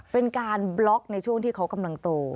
เป็นการบล็อกในช่วงที่เขากำลังโต